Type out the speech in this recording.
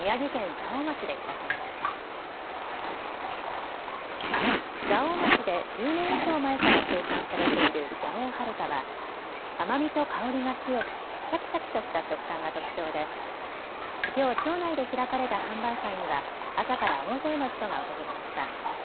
蔵王町で１０年以上前から生産されている蔵王はるかは甘みと香りが強くシャキシャキとした食感が特徴できょう町内で開かれた販売会には朝から大勢の人が訪れました。